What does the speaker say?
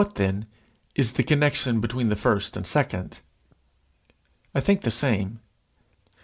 What, then, next, is the connection between the first and second? I think the same.